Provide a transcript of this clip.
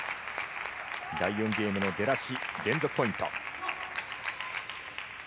第４ゲームの出だし連続ポイント。